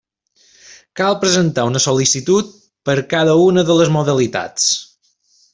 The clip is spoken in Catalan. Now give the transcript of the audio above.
Cal presentar una sol·licitud per cada una de les modalitats.